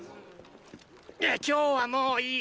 今日はもういい。